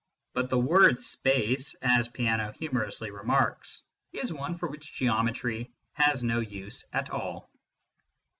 But the word space, as Peano humorously remarks, is one for which Geometry has no use at all.